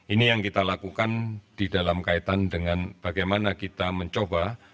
ini yang kita lakukan di dalam kaitan dengan bagaimana kita mencoba